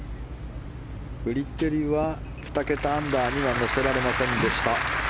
フリテリは２桁アンダーには乗せられませんでした。